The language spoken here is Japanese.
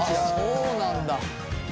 そうなんだ。